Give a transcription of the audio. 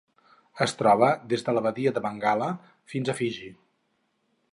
Es troba des de la Badia de Bengala fins a Fiji.